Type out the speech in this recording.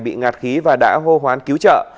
bị ngạt khí và đã hô hoán cứu trợ